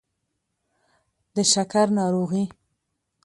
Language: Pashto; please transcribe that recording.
د شکر ناروغي